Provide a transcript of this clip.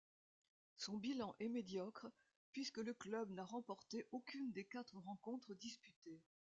Son bilan est médiocre puisque le club n'a remporté aucune des quatre rencontres disputées.